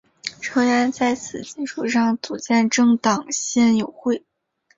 成员在此基础上组建政党宪友会。